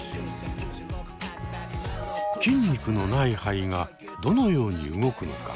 筋肉のない肺がどのように動くのか？